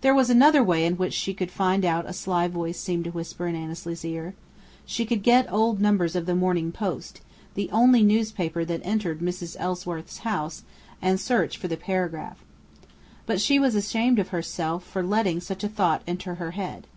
There was another way in which she could find out a sly voice seemed to whisper in Annesley's ear. She could get old numbers of the Morning Post, the only newspaper that entered Mrs. Ellsworth's house, and search for the paragraph. But she was ashamed of herself for letting such a thought enter her head.